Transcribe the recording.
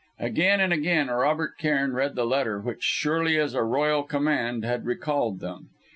Again and again Robert Cairn read the letter which, surely as a royal command, had recalled them.